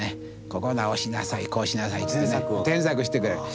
「ここ直しなさいこうしなさい」って添削してくれる。